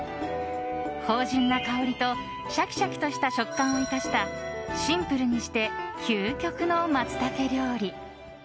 芳醇な香りとシャキシャキとした食感を生かしたシンプルにして究極のマツタケ料理。